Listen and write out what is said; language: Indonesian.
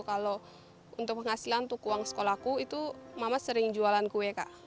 kalau untuk penghasilan untuk uang sekolahku itu mama sering jualan kue kak